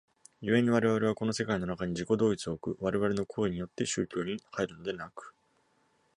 故に我々はこの世界の中に自己同一を置く我々の行為によって宗教に入るのでなく、